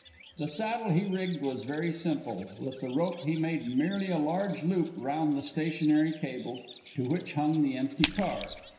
The saddle he rigged was very simple. With the rope he made merely a large loop round the stationary cable, to which hung the empty car.